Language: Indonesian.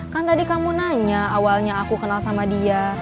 kan tadi kamu nanya awalnya aku kenal sama dia